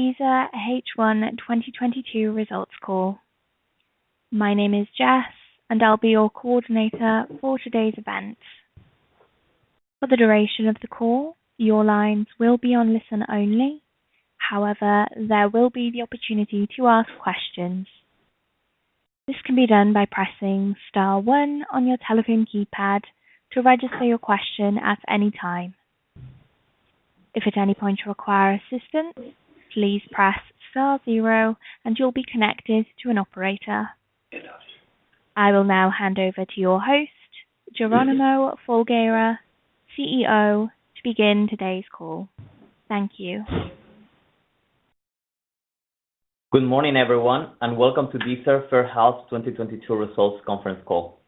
Deezer H1 2022 results call. My name is Jess, and I'll be your coordinator for today's event. For the duration of the call, your lines will be on listen only. However, there will be the opportunity to ask questions. This can be done by pressing star one on your telephone keypad to register your question at any time. If at any point you require assistance, please press star zero, and you'll be connected to an operator. I will now hand over to your host, Jeronimo Folgueira, CEO, to begin today's call. Thank you. Good morning, everyone, and welcome to Deezer first half 2022 results conference call.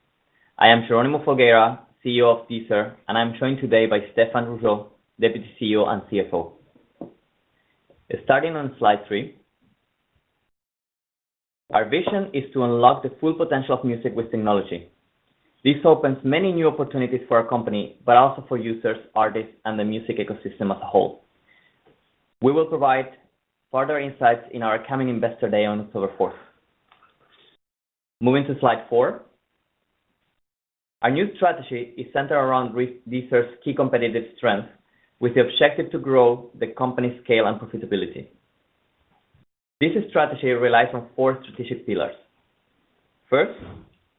I am Jeronimo Folgueira, CEO of Deezer, and I'm joined today by Stéphane Rougeot, Deputy CEO and CFO. Starting on slide three. Our vision is to unlock the full potential of music with technology. This opens many new opportunities for our company, but also for users, artists, and the music ecosystem as a whole. We will provide further insights in our upcoming Investor Day on October 4th. Moving to slide four. Our new strategy is centered around Deezer's key competitive strength with the objective to grow the company's scale and profitability. This strategy relies on four strategic pillars. First,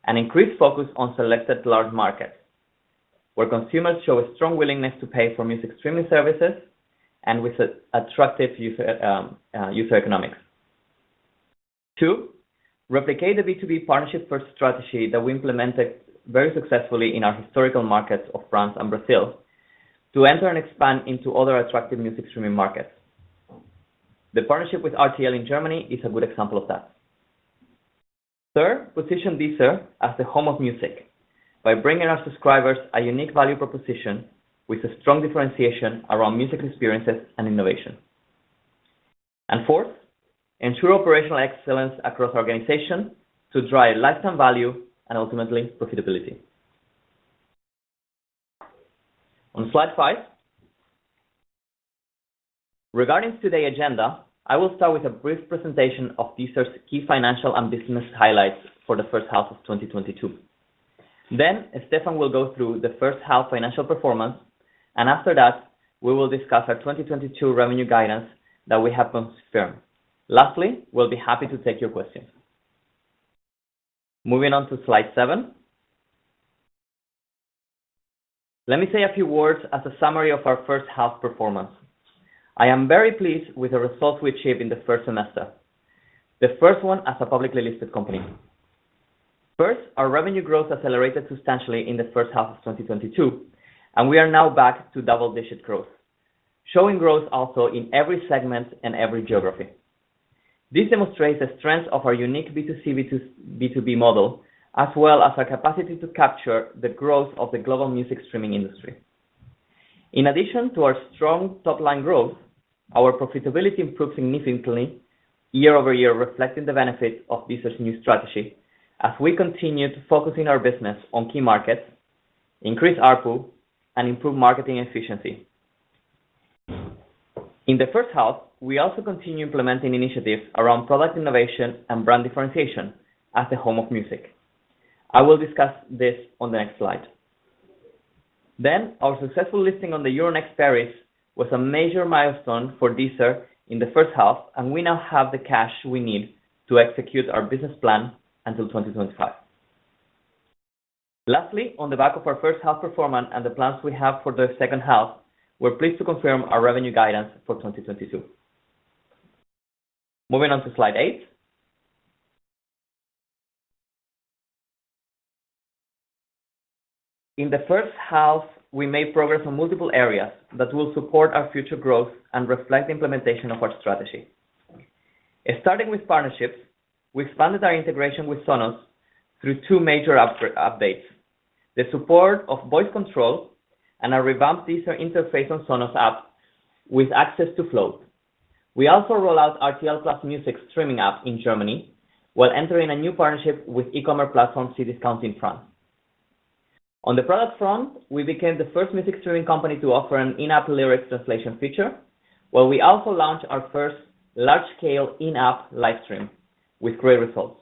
an increased focus on selected large markets, where consumers show a strong willingness to pay for music streaming services and with attractive user economics. Two, replicate the B2B partnership first strategy that we implemented very successfully in our historical markets of France and Brazil to enter and expand into other attractive music streaming markets. The partnership with RTL in Germany is a good example of that. Third, position Deezer as the home of music by bringing our subscribers a unique value proposition with a strong differentiation around music experiences and innovation. Fourth, ensure operational excellence across our organization to drive lifetime value and ultimately profitability. On slide five. Regarding today agenda, I will start with a brief presentation of Deezer's key financial and business highlights for the first half of 2022. Then Stéphane will go through the first half financial performance, and after that, we will discuss our 2022 revenue guidance that we have confirmed. Lastly, we'll be happy to take your questions. Moving on to slide seven. Let me say a few words as a summary of our first half performance. I am very pleased with the results we achieved in the first semester, the first one as a publicly listed company. First, our revenue growth accelerated substantially in the first half of 2022, and we are now back to double-digit growth, showing growth also in every segment and every geography. This demonstrates the strength of our unique B2C, B2B model, as well as our capacity to capture the growth of the global music streaming industry. In addition to our strong top-line growth, our profitability improved significantly year-over-year, reflecting the benefits of Deezer's new strategy as we continue to focus in our business on key markets, increase ARPU, and improve marketing efficiency. In the first half, we also continue implementing initiatives around product innovation and brand differentiation as the home of music. I will discuss this on the next slide. Our successful listing on the Euronext Paris was a major milestone for Deezer in the first half, and we now have the cash we need to execute our business plan until 2025. Lastly, on the back of our first half performance and the plans we have for the second half, we're pleased to confirm our revenue guidance for 2022. Moving on to slide eight. In the first half, we made progress on multiple areas that will support our future growth and reflect the implementation of our strategy. Starting with partnerships, we expanded our integration with Sonos through two major updates, the support of voice control and a revamped Deezer interface on Sonos app with access to Flow. We also roll out RTL+ Musik streaming app in Germany, while entering a new partnership with e-commerce platform Cdiscount in France. On the product front, we became the first music streaming company to offer an in-app lyric translation feature. While we also launched our first large scale in-app live stream with great results.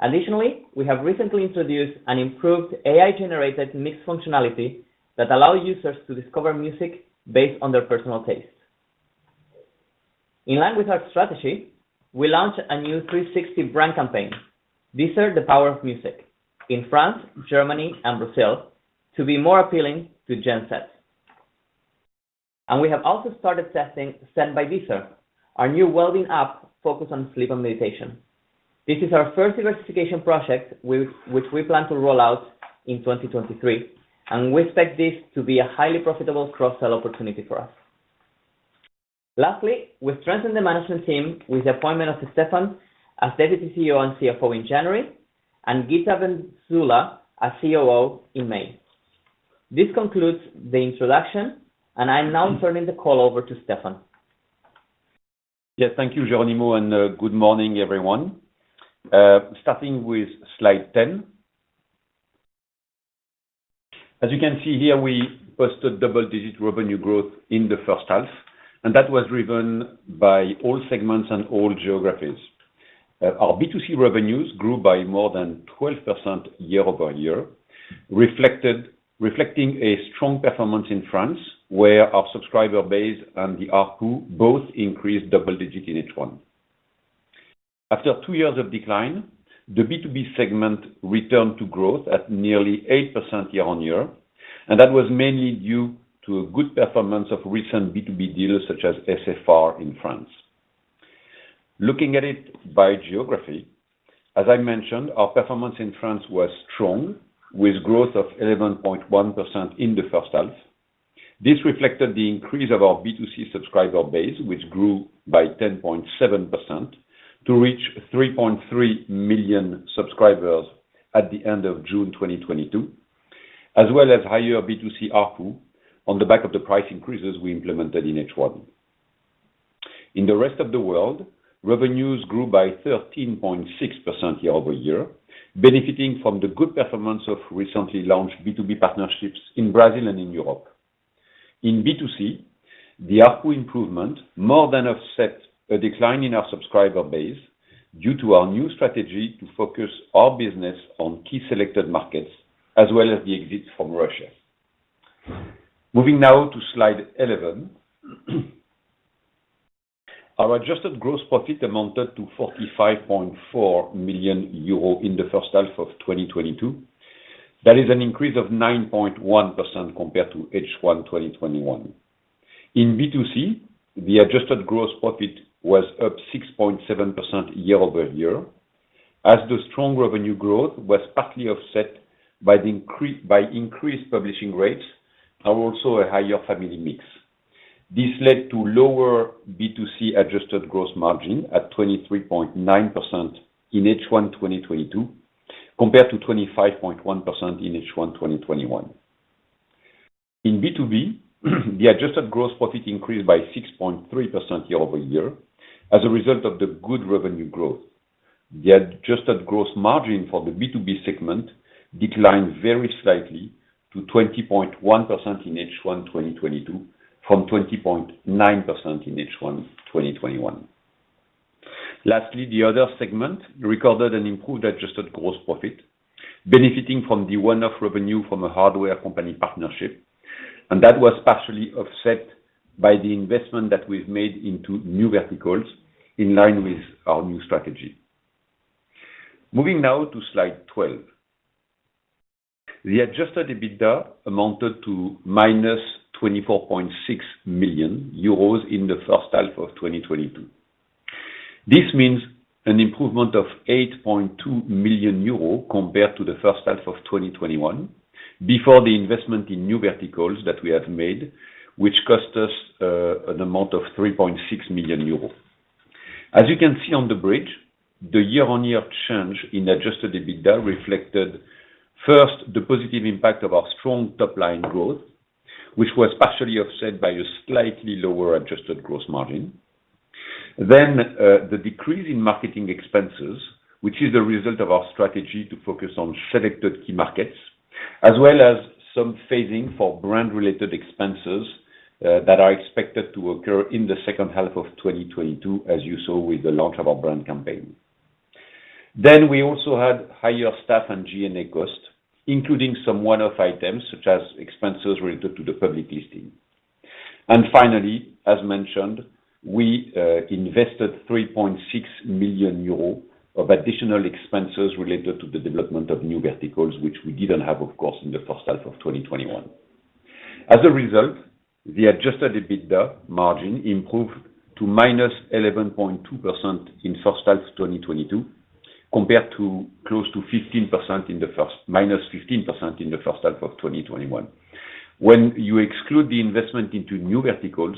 Additionally, we have recently introduced an improved AI-generated mixed functionality that allow users to discover music based on their personal taste. In line with our strategy, we launched a new 360 brand campaign, Deezer: The Power of Music in France, Germany and Brazil to be more appealing to Gen Z. We have also started testing Zen by Deezer, our new wellbeing app focused on sleep and meditation. This is our first diversification project which we plan to roll out in 2023, and we expect this to be a highly profitable cross-sell opportunity for us. Lastly, we strengthened the management team with the appointment of Stéphane as Deputy CEO and CFO in January and Gitte Bendzulla as COO in May. This concludes the introduction, and I'm now turning the call over to Stéphane. Yes, thank you, Jeronimo, and good morning, everyone. Starting with slide 10. As you can see here, we posted double-digit revenue growth in the first half, and that was driven by all segments and all geographies. Our B2C revenues grew by more than 12% year-over-year. Reflecting a strong performance in France, where our subscriber base and the ARPU both increased double-digit in H1. After two years of decline, the B2B segment returned to growth at nearly 8% year-over-year, and that was mainly due to a good performance of recent B2B deals such as SFR in France. Looking at it by geography, as I mentioned, our performance in France was strong, with growth of 11.1% in the first half. This reflected the increase of our B2C subscriber base, which grew by 10.7% to reach 3.3 million subscribers at the end of June 2022, as well as higher B2C ARPU on the back of the price increases we implemented in H1. In the rest of the world, revenues grew by 13.6% year-over-year, benefiting from the good performance of recently launched B2B partnerships in Brazil and in Europe. In B2C, the ARPU improvement more than offset a decline in our subscriber base due to our new strategy to focus our business on key selected markets as well as the exit from Russia. Moving now to slide 11. Our adjusted gross profit amounted to 45.4 million euro in the first half of 2022. That is an increase of 9.1% compared to H1 2021. In B2C, the adjusted gross profit was up 6.7% year-over-year, as the strong revenue growth was partly offset by increased publishing rates, and also a higher family mix. This led to lower B2C adjusted gross margin at 23.9% in H1 2022 compared to 25.1% in H1 2021. In B2B, the adjusted gross profit increased by 6.3% year-over-year as a result of the good revenue growth. The adjusted gross margin for the B2B segment declined very slightly to 20.1% in H1 2022 from 20.9% in H1 2021. Lastly, the other segment recorded an improved adjusted gross profit, benefiting from the one-off revenue from a hardware company partnership, and that was partially offset by the investment that we've made into new verticals in line with our new strategy. Moving now to slide 12. The adjusted EBITDA amounted to -24.6 million euros in the first half of 2022. This means an improvement of 8.2 million euros compared to the first half of 2021 before the investment in new verticals that we have made, which cost us an amount of 3.6 million euros. As you can see on the bridge, the year-on-year change in adjusted EBITDA reflected first the positive impact of our strong top-line growth, which was partially offset by a slightly lower adjusted gross margin. The decrease in marketing expenses, which is the result of our strategy to focus on selected key markets, as well as some phasing for brand-related expenses that are expected to occur in the second half of 2022, as you saw with the launch of our brand campaign. We also had higher staff and G&A costs, including some one-off items such as expenses related to the public listing. Finally, as mentioned, we invested 3.6 million euros of additional expenses related to the development of new verticals, which we didn't have, of course, in the first half of 2021. As a result, the adjusted EBITDA margin improved to -11.2% in first half 2022 compared to -5% in the first half of 2021. When you exclude the investment into new verticals,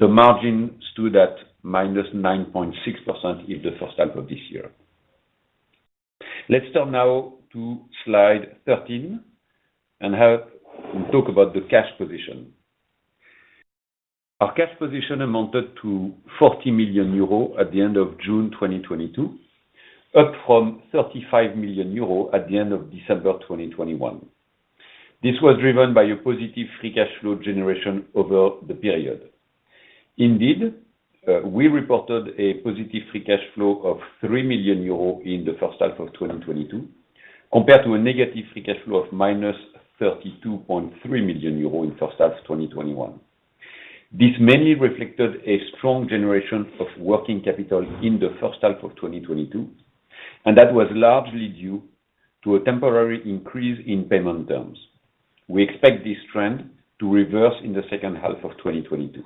the margin stood at -9.6% in the first half of this year. Let's turn now to slide 13 and talk about the cash position. Our cash position amounted to 40 million euros at the end of June 2022, up from 35 million euros at the end of December 2021. This was driven by a positive free cash flow generation over the period. Indeed, we reported a positive free cash flow of 3 million euros in the first half of 2022 compared to a negative free cash flow of -32.3 million euros in first half 2021. This mainly reflected a strong generation of working capital in the first half of 2022, and that was largely due to a temporary increase in payment terms. We expect this trend to reverse in the second half of 2022.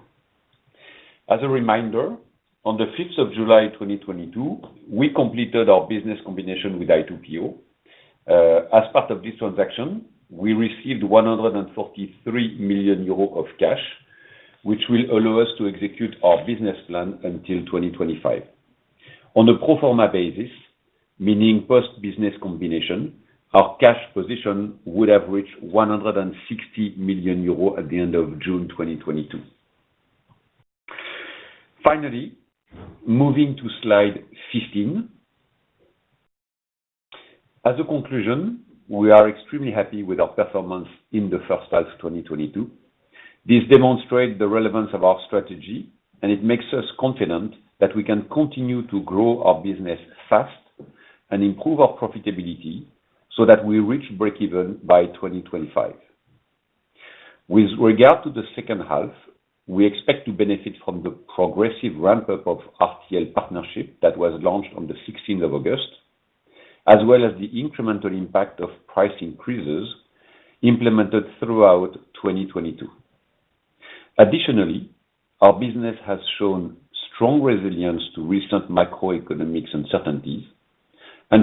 As a reminder, on the fifth of July 2022, we completed our business combination with I2PO. As part of this transaction, we received 143 million euros of cash, which will allow us to execute our business plan until 2025. On a pro forma basis, meaning post-business combination, our cash position would have reached 160 million euros at the end of June 2022. Finally, moving to slide 15. As a conclusion, we are extremely happy with our performance in the first half of 2022. This demonstrate the relevance of our strategy, and it makes us confident that we can continue to grow our business fast and improve our profitability so that we reach breakeven by 2025. With regard to the second half, we expect to benefit from the progressive ramp-up of RTL partnership that was launched on the August 16th, as well as the incremental impact of price increases implemented throughout 2022. Additionally, our business has shown strong resilience to recent macroeconomic uncertainties.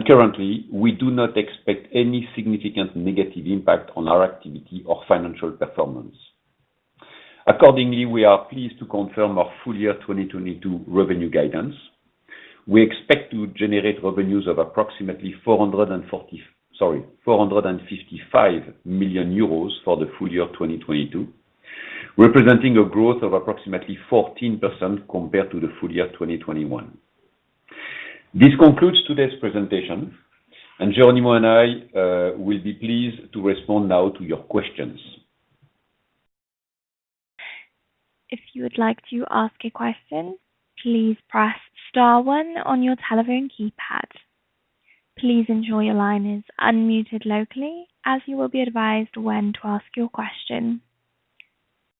Currently, we do not expect any significant negative impact on our activity or financial performance. Accordingly, we are pleased to confirm our full year 2022 revenue guidance. We expect to generate revenues of approximately 455 million euros for the full year of 2022, representing a growth of approximately 14% compared to the full year 2021. This concludes today's presentation, and Jeronimo and I will be pleased to respond now to your questions. If you would like to ask a question, please press star one on your telephone keypad. Please ensure your line is unmuted locally as you will be advised when to ask your question.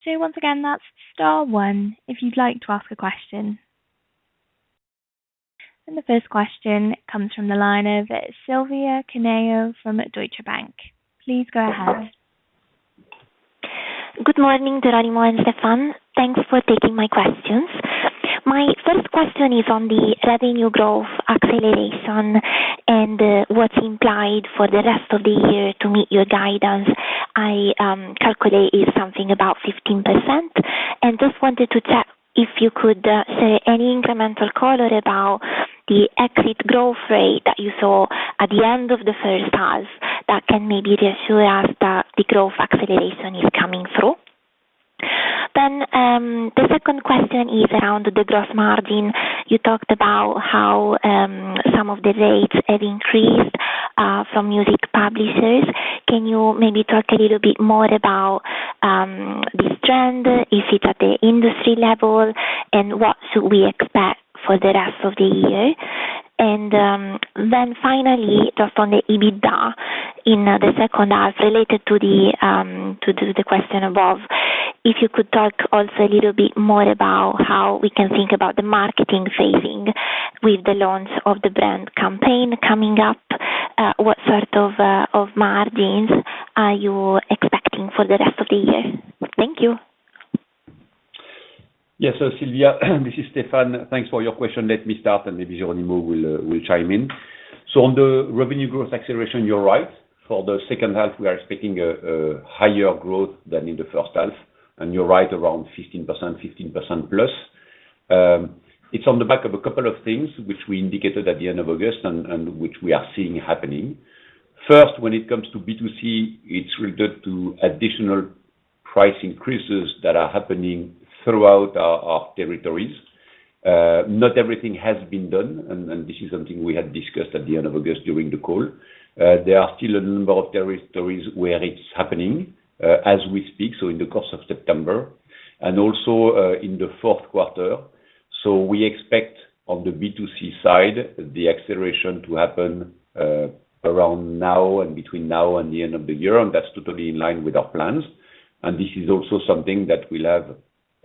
Once again, that's star one if you'd like to ask a question. The first question comes from the line of Silvia Cuneo from Deutsche Bank. Please go ahead. Good morning, Jeronimo and Stéphane. Thanks for taking my questions. My first question is on the revenue growth acceleration and what's implied for the rest of the year to meet your guidance. I calculate it's something about 15%. Just wanted to check if you could say any incremental color about the exit growth rate that you saw at the end of the first half that can maybe reassure us that the growth acceleration is coming through. The second question is around the gross margin. You talked about how some of the rates have increased from music publishers. Can you maybe talk a little bit more about this trend? Is it at the industry level, and what should we expect for the rest of the year? Finally, just on the EBITDA in the second half, related to the question above, if you could talk also a little bit more about how we can think about the marketing pacing with the launch of the brand campaign coming up. What sort of margins are you expecting for the rest of the year? Thank you. Yes. Silvia, this is Stéphane. Thanks for your question. Let me start, and maybe Jeronimo will chime in. On the revenue growth acceleration, you're right. For the second half, we are expecting a higher growth than in the first half. You're right around 15%, 15%+. It's on the back of a couple of things which we indicated at the end of August and which we are seeing happening. First, when it comes to B2C, it's related to additional price increases that are happening throughout our territories. Not everything has been done, and this is something we had discussed at the end of August during the call. There are still a number of territories where it's happening as we speak, so in the course of September and also in the fourth quarter. We expect on the B2C side, the acceleration to happen around now and between now and the end of the year, and that's totally in line with our plans. This is also something that will have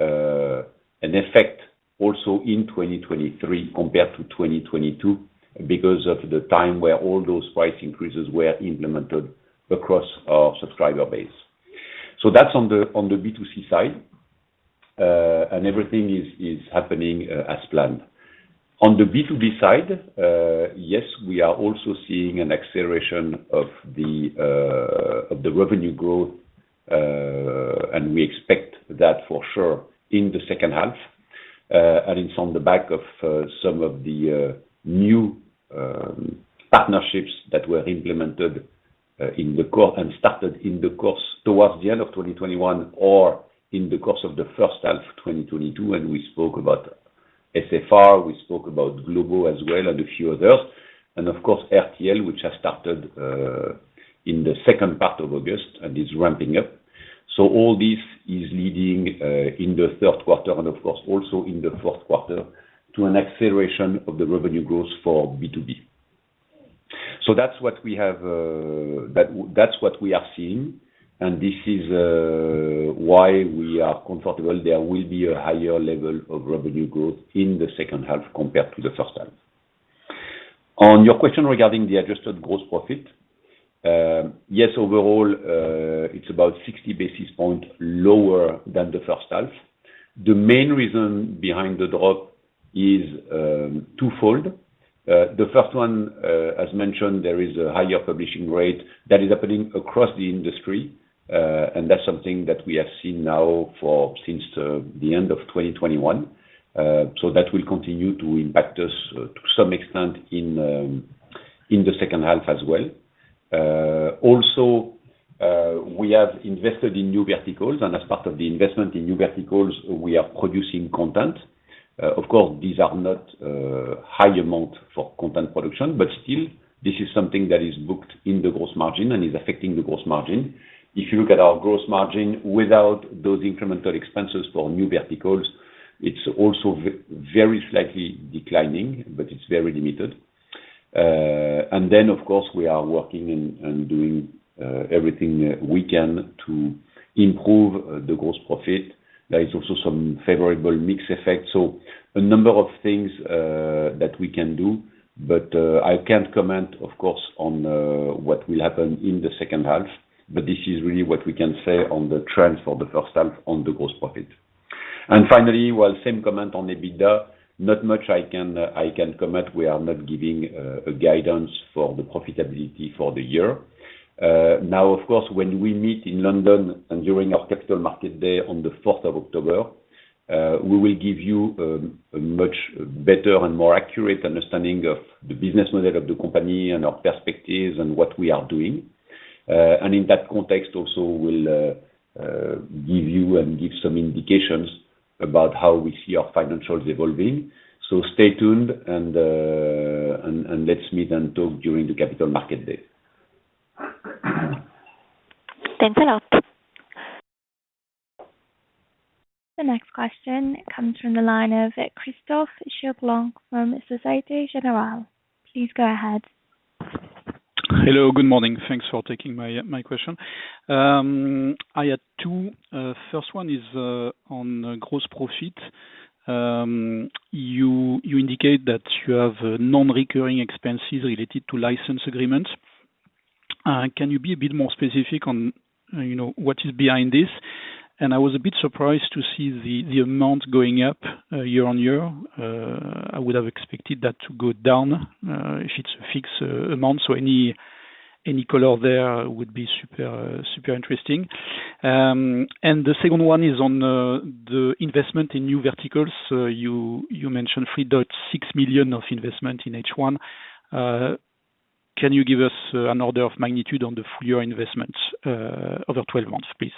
an effect also in 2023 compared to 2022 because of the time where all those price increases were implemented across our subscriber base. That's on the B2C side, and everything is happening as planned. On the B2B side, yes, we are also seeing an acceleration of the revenue growth, and we expect that for sure in the second half. It's on the back of some of the new partnerships that were implemented and started towards the end of 2021 or in the course of the first half 2022 when we spoke about SFR and Globo as well and a few others. Of course RTL, which has started in the second part of August and is ramping up. All this is leading in the third quarter and of course also in the fourth quarter to an acceleration of the revenue growth for B2B. That's what we have, that's what we are seeing. This is why we are comfortable there will be a higher level of revenue growth in the second half compared to the first half. On your question regarding the adjusted gross profit, yes, overall, it's about 60 basis points lower than the first half. The main reason behind the drop is twofold. The first one, as mentioned, there is a higher publishing rate that is happening across the industry, and that's something that we have seen now since the end of 2021. That will continue to impact us to some extent in the second half as well. Also, we have invested in new verticals, and as part of the investment in new verticals, we are producing content. Of course, these are not high amount for content production, but still, this is something that is booked in the gross margin and is affecting the gross margin. If you look at our gross margin without those incremental expenses for new verticals, it's also very slightly declining, but it's very limited. Of course, we are working and doing everything we can to improve the gross profit. There is also some favorable mix effect, so a number of things that we can do. I can't comment, of course, on what will happen in the second half, but this is really what we can say on the trends for the first half on the gross profit. Finally, well, same comment on EBITDA. Not much I can comment. We are not giving a guidance for the profitability for the year. Now of course, when we meet in London and during our capital market day on the fourth of October, we will give you a much better and more accurate understanding of the business model of the company and our perspectives and what we are doing. In that context also we'll give you some indications about how we see our financials evolving. Stay tuned and let's meet and talk during the capital market day. Thanks a lot. The next question comes from the line of Christophe Cherblanc from Société Générale. Please go ahead. Hello, good morning. Thanks for taking my question. I had two. First one is on gross profit. You indicate that you have non-recurring expenses related to license agreements. Can you be a bit more specific on, you know, what is behind this? I was a bit surprised to see the amount going up year-over-year. I would have expected that to go down if it's a fixed amount, so any color there would be super interesting. The second one is on the investment in new verticals. You mentioned 3.6 million of investment in H1. Can you give us an order of magnitude on the full year investments over 12 months, please?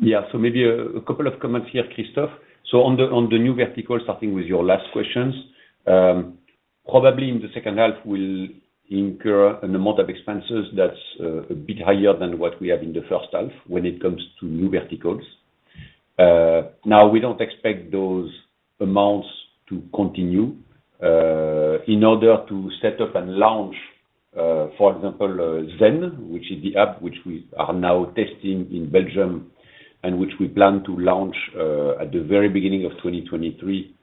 Yeah. Maybe a couple of comments here, Christophe. On the new vertical, starting with your last questions, probably in the second half we'll incur an amount of expenses that's a bit higher than what we have in the first half when it comes to new verticals. Now we don't expect those amounts to continue in order to set up and launch, for example, Zen, which is the app which we are now testing in Belgium and which we plan to launch at the very beginning of 2023,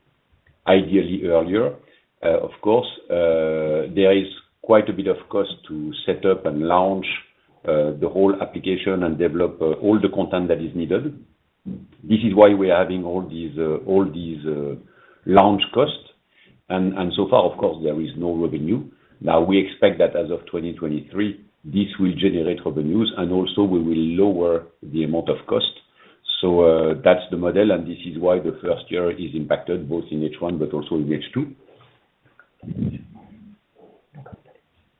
ideally earlier. Of course, there is quite a bit of cost to set up and launch the whole application and develop all the content that is needed. This is why we're having all these launch costs. So far, of course, there is no revenue. We expect that as of 2023, this will generate revenues, and also we will lower the amount of cost. That's the model, and this is why the first year is impacted both in H1 but also in H2.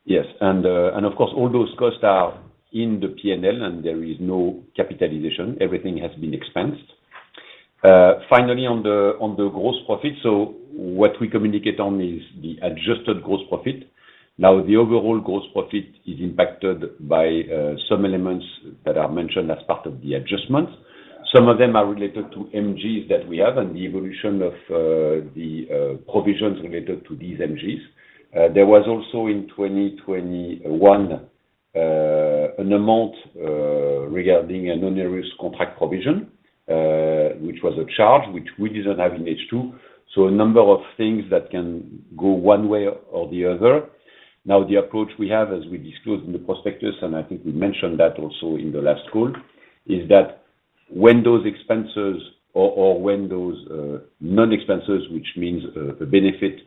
Yes. Of course, all those costs are in the P&L, and there is no capitalization. Everything has been expensed. Finally on the gross profit. What we communicate on is the adjusted gross profit. The overall gross profit is impacted by some elements that are mentioned as part of the adjustments. Some of them are related to MGs that we have and the evolution of the provisions related to these MGs. There was also in 2021 an amount regarding an onerous contract provision, which was a charge which we didn't have in H2. A number of things that can go one way or the other. Now the approach we have as we disclosed in the prospectus, and I think we mentioned that also in the last call, is that when those expenses or when those non-expenses, which means a benefit,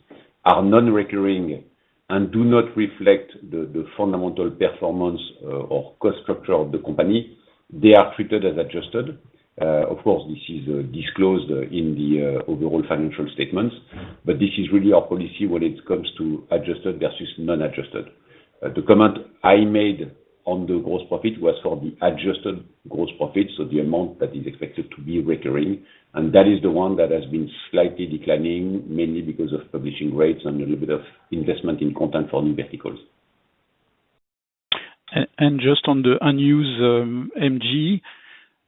are non-recurring and do not reflect the fundamental performance or cost structure of the company, they are treated as adjusted. Of course, this is disclosed in the overall financial statements, but this is really our policy when it comes to adjusted versus non-adjusted. The comment I made on the gross profit was for the adjusted gross profit, so the amount that is expected to be recurring, and that is the one that has been slightly declining, mainly because of publishing rates and a little bit of investment in content for new verticals. Just on the unused MG,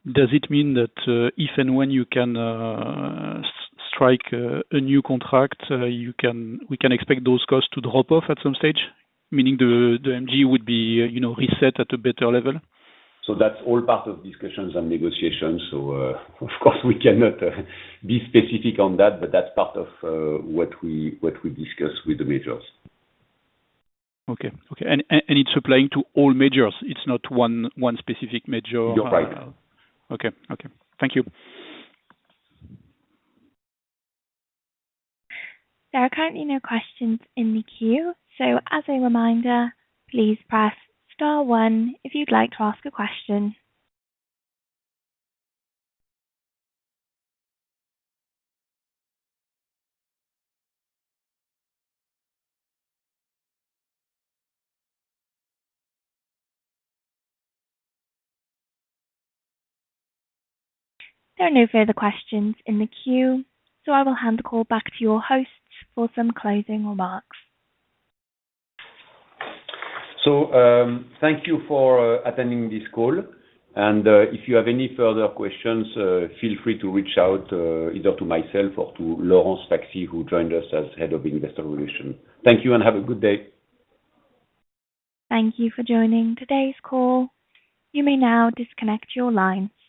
does it mean that if and when you can strike a new contract, we can expect those costs to drop off at some stage, meaning the MG would be, you know, reset at a better level? That's all part of discussions and negotiations. Of course we cannot be specific on that, but that's part of what we discuss with the majors. It's applying to all majors. It's not one specific major. You're right. Okay. Thank you. There are currently no questions in the queue. As a reminder, please press star one if you'd like to ask a question. There are no further questions in the queue, so I will hand the call back to your host for some closing remarks. Thank you for attending this call. If you have any further questions, feel free to reach out, either to myself or to Laurent Sfaxi, who joined us as Head of Investor Relations. Thank you and have a good day. Thank you for joining today's call. You may now disconnect your lines.